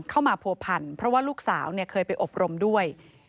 เข้ามาผัวพันเพราะว่าลูกสาวเคยไปอบรมด้วย